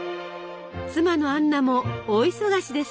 妻のアンナも大忙しです。